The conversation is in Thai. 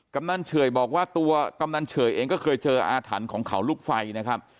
กำนันเฉื่อยบอกว่าตัวกำนันเฉยเองก็เคยเจออาถรรพ์ของเขาลูกไฟนะครับ